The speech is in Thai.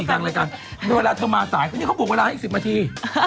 แต่เวลาจะมาสายนี่เขาบุกเวลาให้๑๐นาที